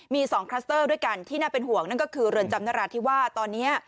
มี๒คลัสเตอร์ด้วยกันที่น่าเป็นห่วงนั่นก็คือเรือนจำนราธิวาสตอนนี้